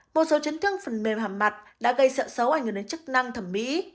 một số trấn thương phần mềm hàm mặt đã gây sợ sấu ảnh hưởng đến chức năng thẩm mỹ